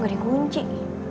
gak ada kunci